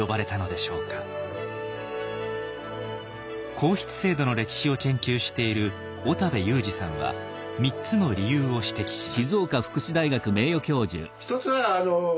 皇室制度の歴史を研究している小田部雄次さんは３つの理由を指摘します。